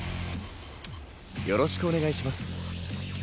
よろしくお願いします。